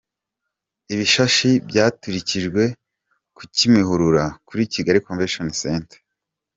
Ibishashi byaturikirijwe ku Kimihurura kuri Kigali Convention Center.